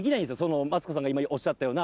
マツコさんが今おっしゃったような。